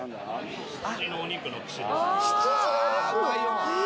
羊のお肉の串です。